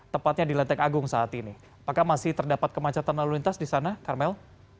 tepatnya di lenteng agung saat ini apakah masih terdapat kemacetan lalu lintas di sana karmel